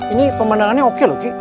ini pemandangannya oke loh ki